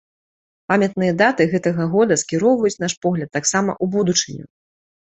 Памятныя даты гэтага года скіроўваюць наш погляд таксама ў будучыню.